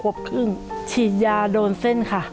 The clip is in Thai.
ขวบครึ่งฉีดยาโดนเส้นค่ะ